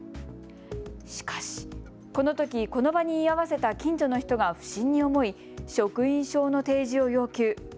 しかし、このときこの場に居合わせた近所の人が不審に思い、職員証の提示を要求。